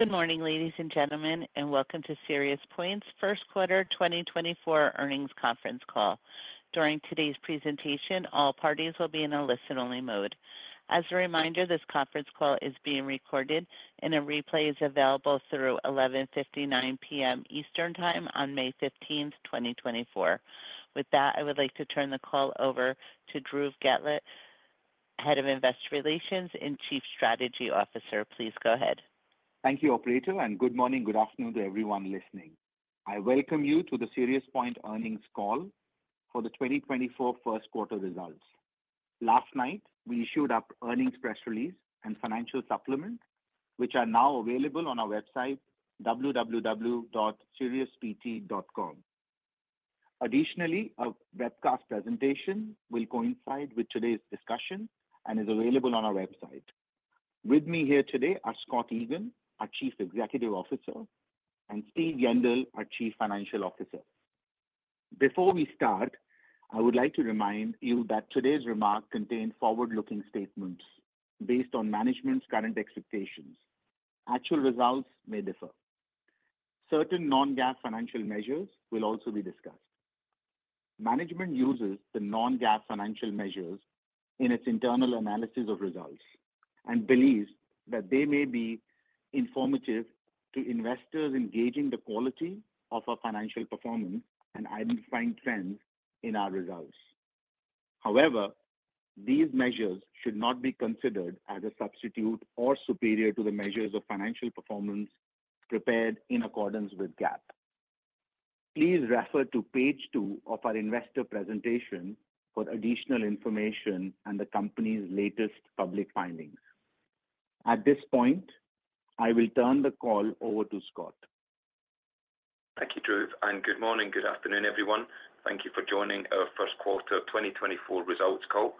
Good morning, ladies and gentlemen, and welcome to SiriusPoint's first quarter 2024 earnings conference call. During today's presentation, all parties will be in a listen-only mode. As a reminder, this conference call is being recorded, and a replay is available through 11:59 P.M. Eastern Time on May 15th, 2024. With that, I would like to turn the call over to Dhruv Gahlaut, Head of Investor Relations and Chief Strategy Officer. Please go ahead. Thank you, Operator, and good morning, good afternoon to everyone listening. I welcome you to the SiriusPoint earnings call for the 2024 first quarter results. Last night, we issued an earnings press release and financial supplements, which are now available on our website, www.siriuspoint.com. Additionally, a webcast presentation will coincide with today's discussion and is available on our website. With me here today are Scott Egan, our Chief Executive Officer, and Steve Yendall, our Chief Financial Officer. Before we start, I would like to remind you that today's remarks contain forward-looking statements based on management's current expectations. Actual results may differ. Certain non-GAAP financial measures will also be discussed. Management uses the non-GAAP financial measures in its internal analysis of results and believes that they may be informative to investors regarding the quality of our financial performance and identifying trends in our results. However, these measures should not be considered as a substitute or superior to the measures of financial performance prepared in accordance with GAAP. Please refer to page two of our investor presentation for additional information and the company's latest public filings. At this point, I will turn the call over to Scott. Thank you, Dhruv, and good morning, good afternoon, everyone. Thank you for joining our first quarter 2024 results call.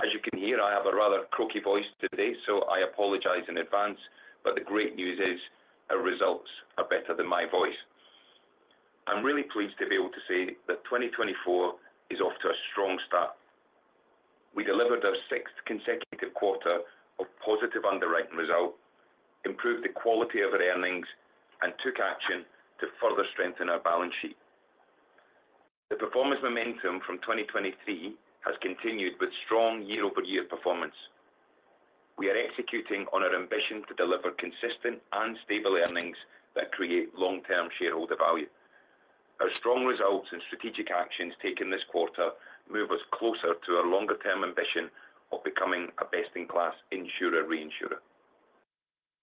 As you can hear, I have a rather croaky voice today, so I apologize in advance, but the great news is our results are better than my voice. I'm really pleased to be able to say that 2024 is off to a strong start. We delivered our sixth consecutive quarter of positive underwriting results, improved the quality of our earnings, and took action to further strengthen our balance sheet. The performance momentum from 2023 has continued with strong year-over-year performance. We are executing on our ambition to deliver consistent and stable earnings that create long-term shareholder value. Our strong results and strategic actions taken this quarter move us closer to our longer-term ambition of becoming a best-in-class insurer reinsurer.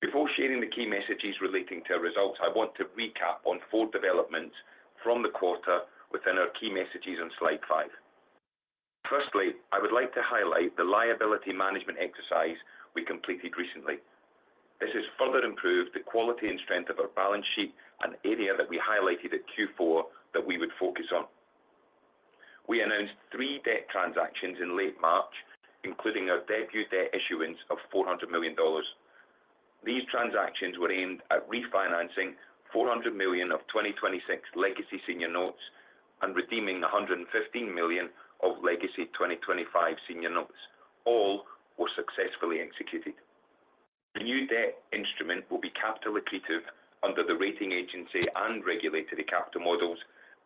Before sharing the key messages relating to our results, I want to recap on four developments from the quarter within our key messages on slide five. Firstly, I would like to highlight the liability management exercise we completed recently. This has further improved the quality and strength of our balance sheet and an area that we highlighted at Q4 that we would focus on. We announced three debt transactions in late March, including our debut debt issuance of $400 million. These transactions were aimed at refinancing $400 million of 2026 legacy senior notes and redeeming $115 million of legacy 2025 senior notes. All were successfully executed. The new debt instrument will be capital equivalent under the rating agency and regulatory capital models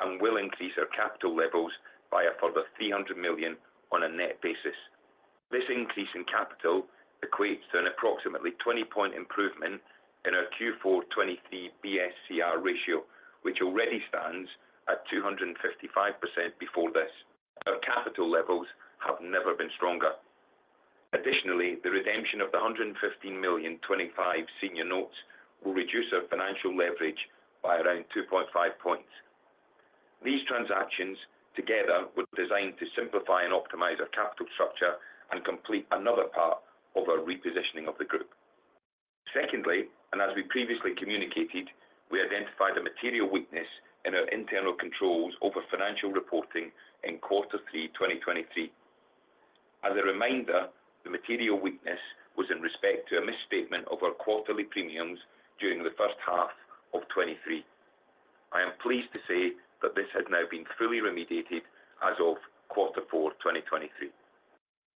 and will increase our capital levels by a further $300 million on a net basis. This increase in capital equates to an approximately 20-point improvement in our Q4 2023 BSCR ratio, which already stands at 255% before this. Our capital levels have never been stronger. Additionally, the redemption of the $115 million 25 senior notes will reduce our financial leverage by around 2.5 points. These transactions, together, were designed to simplify and optimize our capital structure and complete another part of our repositioning of the group. Secondly, and as we previously communicated, we identified a material weakness in our internal controls over financial reporting in quarter 3, 2023. As a reminder, the material weakness was in respect to a misstatement of our quarterly premiums during the first half of 2023. I am pleased to say that this has now been fully remediated as of quarter 4, 2023.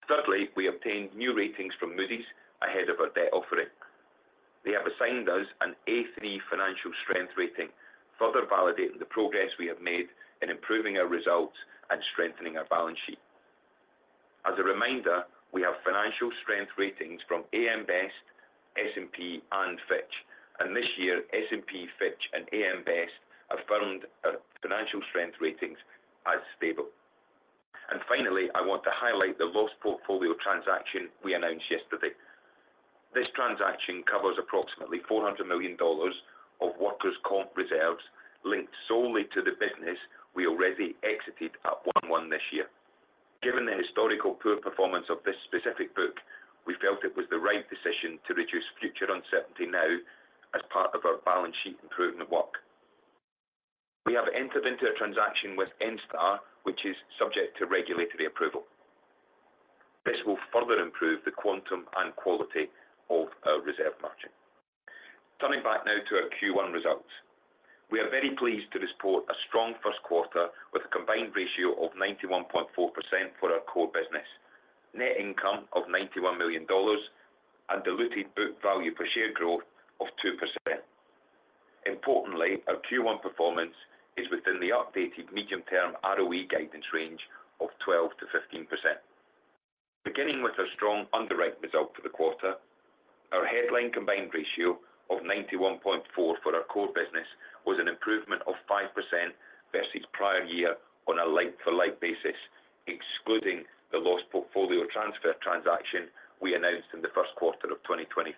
Thirdly, we obtained new ratings from Moody's ahead of our debt offering. They have assigned us an A3 financial strength rating, further validating the progress we have made in improving our results and strengthening our balance sheet. As a reminder, we have financial strength ratings from AM Best, S&P, and Fitch. This year, S&P, Fitch, and AM Best have found our financial strength ratings as stable. Finally, I want to highlight the loss portfolio transaction we announced yesterday. This transaction covers approximately $400 million of workers' comp reserves linked solely to the business we already exited at 1/1 this year. Given the historical poor performance of this specific book, we felt it was the right decision to reduce future uncertainty now as part of our balance sheet improvement work. We have entered into a transaction with Enstar, which is subject to regulatory approval. This will further improve the quantum and quality of our reserve margin. Turning back now to our Q1 results. We are very pleased to report a strong first quarter with a combined ratio of 91.4% for our core business, net income of $91 million, and diluted book value per share growth of 2%. Importantly, our Q1 performance is within the updated medium-term ROE guidance range of 12%-15%. Beginning with a strong underwriting result for the quarter, our headline combined ratio of 91.4% for our core business was an improvement of 5% versus prior year on a like-for-like basis, excluding the loss portfolio transfer transaction we announced in the first quarter of 2023.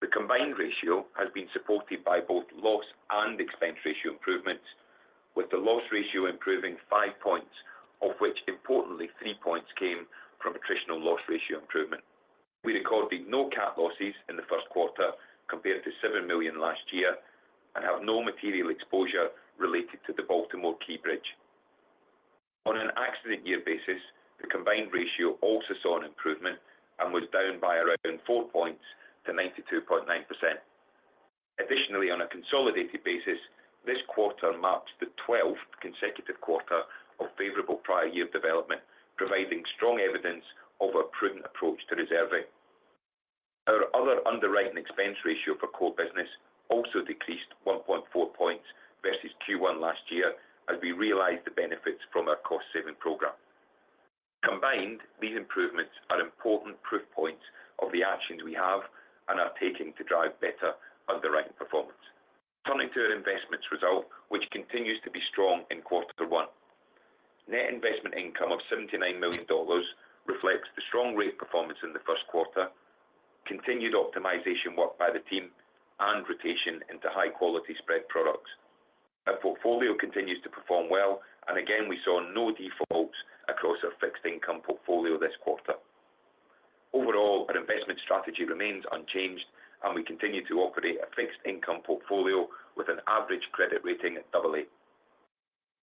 The combined ratio has been supported by both loss and expense ratio improvements, with the loss ratio improving five points, of which, importantly, three points came from attritional loss ratio improvement. We recorded no cat losses in the first quarter compared to $7 million last year and have no material exposure related to the Baltimore Key Bridge. On an accident-year basis, the combined ratio also saw an improvement and was down by around 4 points to 92.9%. Additionally, on a consolidated basis, this quarter marks the 12th consecutive quarter of favorable prior year development, providing strong evidence of our prudent approach to reserving. Our other underwriting expense ratio for core business also decreased 1.4 points versus Q1 last year as we realized the benefits from our cost-saving program. Combined, these improvements are important proof points of the actions we have and are taking to drive better underwriting performance. Turning to our investments result, which continues to be strong in quarter 1. Net investment income of $79 million reflects the strong rate performance in the first quarter, continued optimization work by the team, and rotation into high-quality spread products. Our portfolio continues to perform well, and again, we saw no defaults across our fixed income portfolio this quarter. Overall, our investment strategy remains unchanged, and we continue to operate a fixed income portfolio with an average credit rating at AA.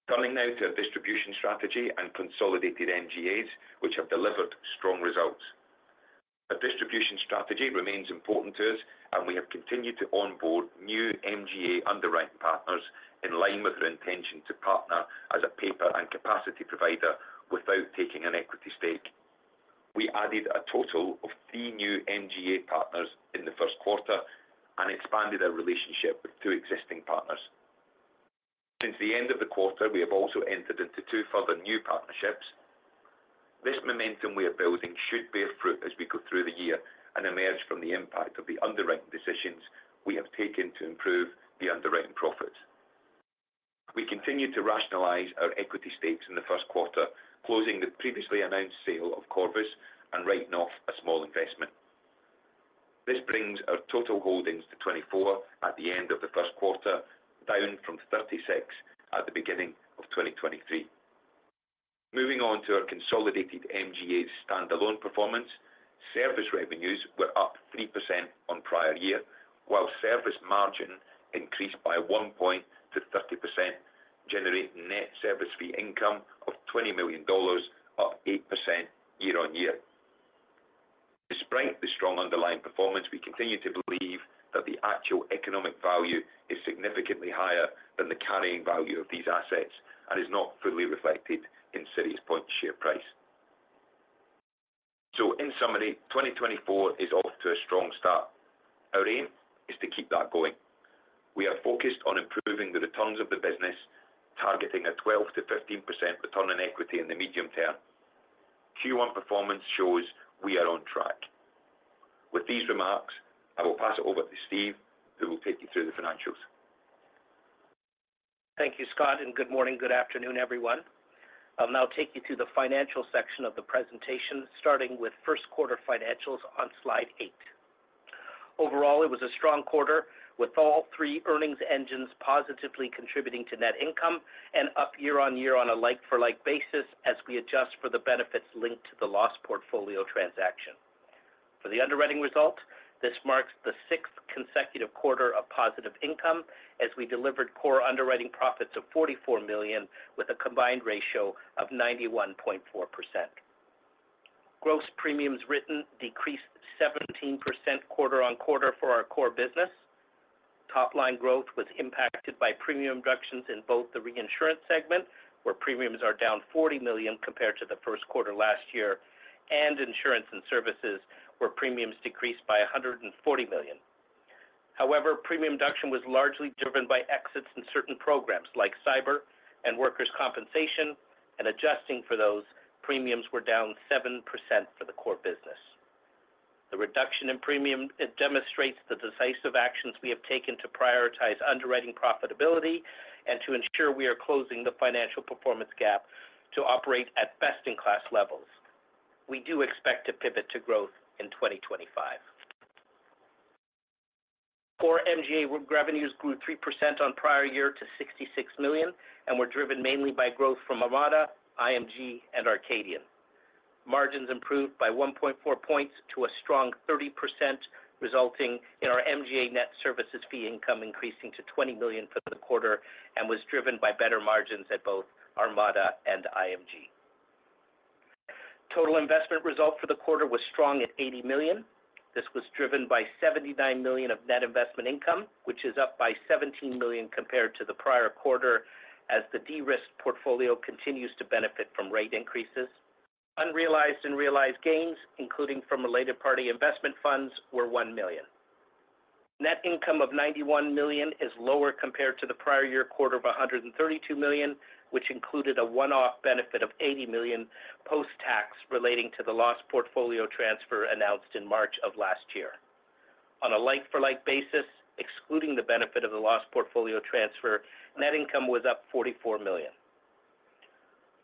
Turning now to our distribution strategy and consolidated MGAs, which have delivered strong results. Our distribution strategy remains important to us, and we have continued to onboard new MGA underwriting partners in line with our intention to partner as a paper and capacity provider without taking an equity stake. We added a total of three new MGA partners in the first quarter and expanded our relationship with two existing partners. Since the end of the quarter, we have also entered into two further new partnerships. This momentum we are building should bear fruit as we go through the year and emerge from the impact of the underwriting decisions we have taken to improve the underwriting profits. We continue to rationalize our equity stakes in the first quarter, closing the previously announced sale of Corvus and writing off a small investment. This brings our total holdings to 24 at the end of the first quarter, down from 36 at the beginning of 2023. Moving on to our consolidated MGAs' standalone performance, service revenues were up 3% on prior year, while service margin increased by 1 point to 30%, generating net service fee income of $20 million, up 8% year-over-year. Despite the strong underlying performance, we continue to believe that the actual economic value is significantly higher than the carrying value of these assets and is not fully reflected in SiriusPoint's share price. So, in summary, 2024 is off to a strong start. Our aim is to keep that going. We are focused on improving the returns of the business, targeting a 12%-15% return on equity in the medium term. Q1 performance shows we are on track. With these remarks, I will pass it over to Steve, who will take you through the financials. Thank you, Scott, and good morning, good afternoon, everyone. I'll now take you through the financial section of the presentation, starting with first quarter financials on slide eight. Overall, it was a strong quarter, with all three earnings engines positively contributing to net income and up year on year on a like-for-like basis as we adjust for the benefits linked to the loss portfolio transaction. For the underwriting result, this marks the sixth consecutive quarter of positive income as we delivered core underwriting profits of $44 million with a combined ratio of 91.4%. Gross premiums written decreased 17% quarter-over-quarter for our core business. Top-line growth was impacted by premium reductions in both the reinsurance segment, where premiums are down $40 million compared to the first quarter last year, and insurance and services, where premiums decreased by $140 million. However, premium reduction was largely driven by exits in certain programs like cyber and workers' compensation, and adjusting for those, premiums were down 7% for the core business. The reduction in premium demonstrates the decisive actions we have taken to prioritize underwriting profitability and to ensure we are closing the financial performance gap to operate at best-in-class levels. We do expect to pivot to growth in 2025. Core MGA revenues grew 3% on prior year to $66 million and were driven mainly by growth from Armada, IMG, and Arcadian. Margins improved by 1.4 points to a strong 30%, resulting in our MGA net services fee income increasing to $20 million for the quarter and was driven by better margins at both Armada and IMG. Total investment result for the quarter was strong at $80 million. This was driven by $79 million of net investment income, which is up by $17 million compared to the prior quarter as the de-risked portfolio continues to benefit from rate increases. Unrealized and realized gains, including from related party investment funds, were $1 million. Net income of $91 million is lower compared to the prior year quarter of $132 million, which included a one-off benefit of $80 million post-tax relating to the loss portfolio transfer announced in March of last year. On a like-for-like basis, excluding the benefit of the loss portfolio transfer, net income was up $44 million.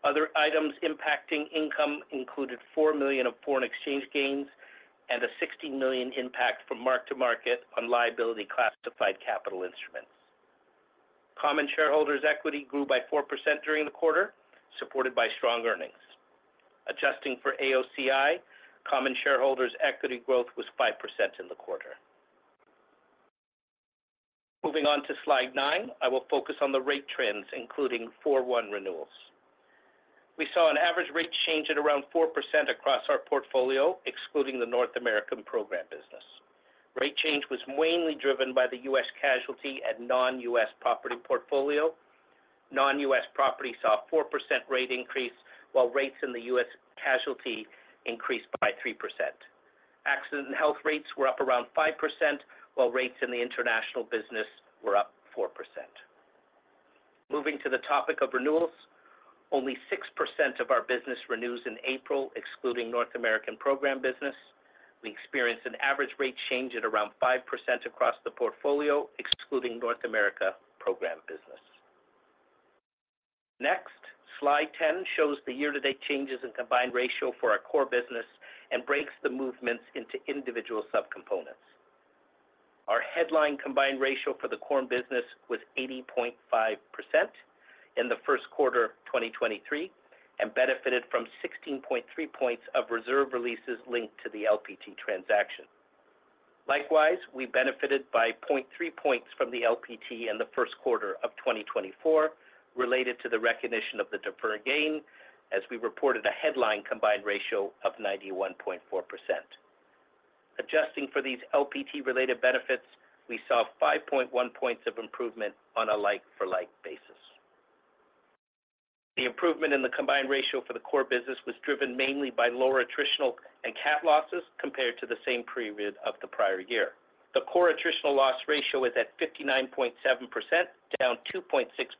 Other items impacting income included $4 million of foreign exchange gains and a $60 million impact from mark-to-market on liability classified capital instruments. Common shareholders' equity grew by 4% during the quarter, supported by strong earnings. Adjusting for AOCI, common shareholders' equity growth was 5% in the quarter. Moving on to slide nine, I will focus on the rate trends, including 4/1 renewals. We saw an average rate change at around 4% across our portfolio, excluding the North American program business. Rate change was mainly driven by the U.S. casualty and non-U.S. property portfolio. Non-U.S. property saw a 4% rate increase, while rates in the U.S. casualty increased by 3%. Accident and health rates were up around 5%, while rates in the international business were up 4%. Moving to the topic of renewals, only 6% of our business renews in April, excluding North American program business. We experience an average rate change at around 5% across the portfolio, excluding North America program business. Next, slide 10 shows the year-to-date changes in combined ratio for our core business and breaks the movements into individual subcomponents. Our headline combined ratio for the core business was 80.5% in the first quarter 2023 and benefited from 16.3 points of reserve releases linked to the LPT transaction. Likewise, we benefited by 0.3 points from the LPT in the first quarter of 2024 related to the recognition of the deferred gain, as we reported a headline combined ratio of 91.4%. Adjusting for these LPT-related benefits, we saw 5.1 points of improvement on a like-for-like basis. The improvement in the combined ratio for the core business was driven mainly by lower attritional and cat losses compared to the same period of the prior year. The core attritional loss ratio is at 59.7%, down 2.6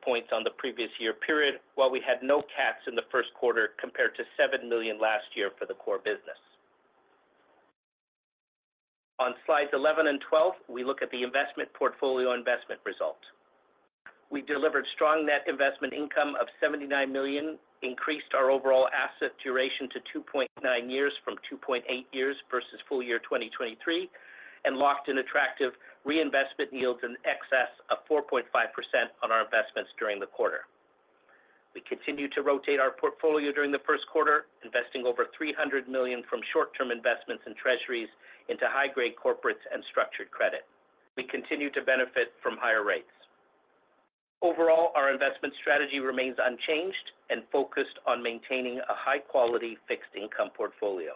points on the previous year period, while we had no cats in the first quarter compared to $7 million last year for the core business. On slides 11 and 12, we look at the investment portfolio investment result. We delivered strong net investment income of $79 million, increased our overall asset duration to 2.9 years from 2.8 years versus full year 2023, and locked in attractive reinvestment yields in excess of 4.5% on our investments during the quarter. We continue to rotate our portfolio during the first quarter, investing over $300 million from short-term investments in treasuries into high-grade corporates and structured credit. We continue to benefit from higher rates. Overall, our investment strategy remains unchanged and focused on maintaining a high-quality fixed income portfolio.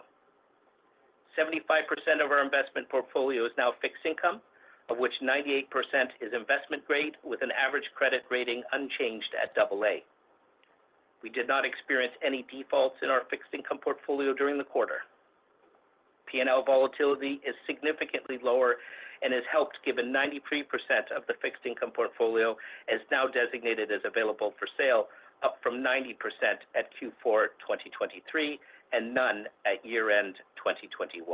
75% of our investment portfolio is now fixed income, of which 98% is investment-grade with an average credit rating unchanged at AA. We did not experience any defaults in our fixed income portfolio during the quarter. P&L volatility is significantly lower and is helped given 93% of the fixed income portfolio is now designated as available for sale, up from 90% at Q4 2023 and none at year-end 2021.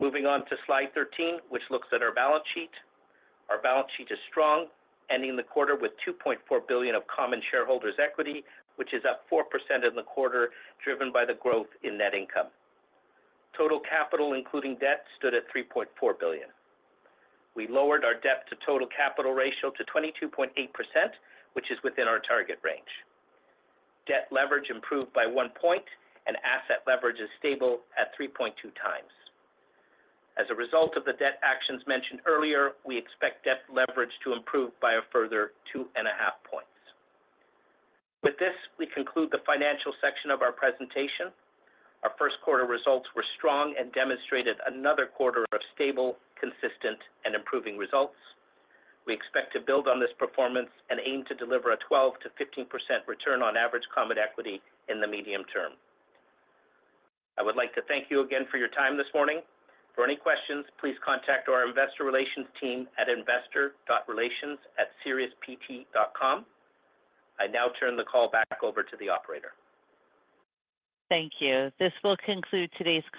Moving on to slide 13, which looks at our balance sheet. Our balance sheet is strong, ending the quarter with $2.4 billion of common shareholders' equity, which is up 4% in the quarter, driven by the growth in net income. Total capital, including debt, stood at $3.4 billion. We lowered our debt-to-total-capital ratio to 22.8%, which is within our target range. Debt leverage improved by 1 point, and asset leverage is stable at 3.2x. As a result of the debt actions mentioned earlier, we expect debt leverage to improve by a further 2.5 points. With this, we conclude the financial section of our presentation. Our first quarter results were strong and demonstrated another quarter of stable, consistent, and improving results. We expect to build on this performance and aim to deliver a 12%-15% return on average common equity in the medium term. I would like to thank you again for your time this morning. For any questions, please contact our investor relations team at investor.relations@siriuspoint.com. I now turn the call back over to the operator. Thank you. This will conclude today's.